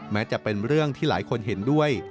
แม้จะเป็นเรื่องที่หลายคนเห็นด้วย